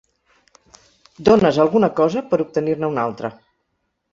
Dónes alguna cosa per obtenir-ne una altra.